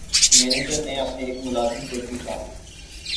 manager نے اپنے ایک ملازم سے پوچھا